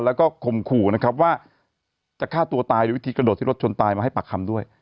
แล้วก็ข่มขู่นะครับว่าจะฆ่าตัวตายโดยวิธีกระโดดที่รถชนตายมาให้ปากคำด้วย